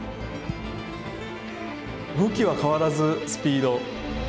武器は変わらずスピード。